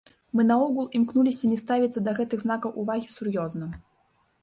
Мы наогул імкнуліся не ставіцца да гэтых знакаў увагі сур'ёзна.